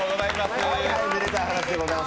めでたいはなしでございます。